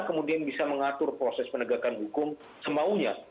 kemudian bisa mengatur proses penegakan hukum semaunya